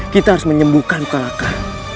kita harus menyembuhkan luka lakar